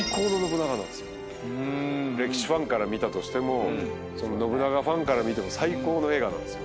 歴史ファンから見たとしても信長ファンから見ても最高の映画なんですよ。